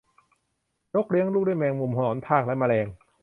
นกเลี้ยงลูกด้วยแมงมุมหนอนทากและแมลง